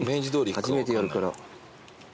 初めてやるから。